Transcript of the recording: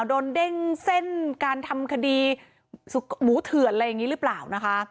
เด้งเส้นการทำคดีหมูเถื่อนอะไรอย่างนี้หรือเปล่านะคะ